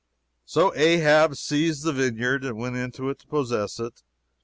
So Ahab seized the vineyard, and went into it to possess it.